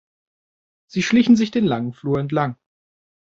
Sie schlichen sich den langen Flur entlang.